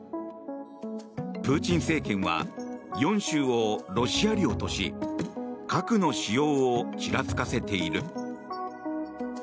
プーチン政権は４州をロシア領とし核の使用をちらつかせている。